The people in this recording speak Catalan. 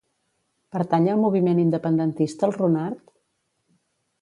Pertany al moviment independentista el Ronard?